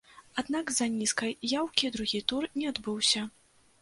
Аднак з-за нізкай яўкі другі тур не адбыўся.